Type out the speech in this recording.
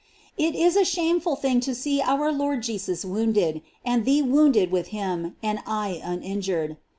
It is a shameful thing to see our Lord Jesus wounded, and thee wounded with him, and I uninjured.